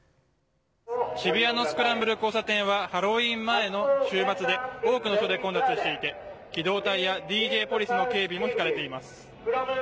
渋谷のスクランブル交差点はハロウィーン前の週末で多くの人で混雑していて機動隊やＤＪポリスの警備もひかれています。